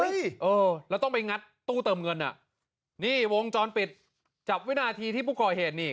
เออแล้วต้องไปงัดตู้เติมเงินอ่ะนี่วงจรปิดจับวินาทีที่ผู้ก่อเหตุนี่